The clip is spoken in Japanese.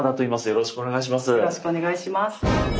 よろしくお願いします。